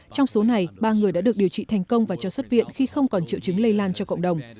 trong số này ba người đã được điều trị thành công và cho xuất viện khi không còn triệu chứng lây lan cho cộng đồng